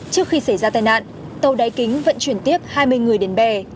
trước khi xảy ra tai nạn tàu đáy kính vận chuyển tiếp hai mươi người đến bè